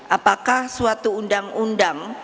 apakah suatu undang undang